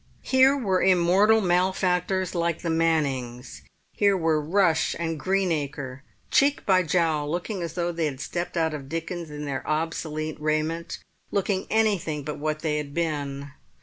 Here were immortal malefactors like the Mannings; here were Rush and Greenacre cheek by jowl, looking as though they had stepped out of Dickens in their obsolete raiment, looking anything but what they had been.